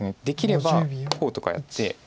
できればこうとかやって。